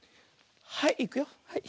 はいいくよ。